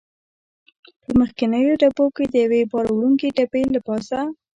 په مخکنیو ډبو کې د یوې بار وړونکې ډبې له پاسه.